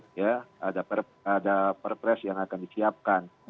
etelah ini tadi ongkong itu ada perpres yang akan disiapkan